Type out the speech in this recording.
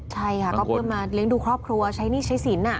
ใช่ค่ะก็เพื่อมาเลี้ยงดูครอบครัวใช้หนี้ใช้สิน